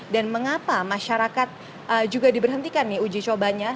dan mengapa masyarakat juga diberhentikan nih uji cobanya